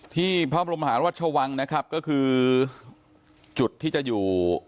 ที่พระบรมหารัชวังนะครับก็คือจุดที่จะอยู่